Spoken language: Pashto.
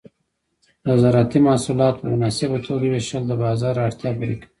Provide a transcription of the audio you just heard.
د زراعتي محصولات په مناسبه توګه ویشل د بازار اړتیا پوره کوي.